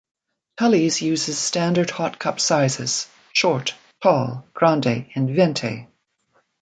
Tully's uses standard hot cup sizes: "short", "tall", "grande", and "veinte".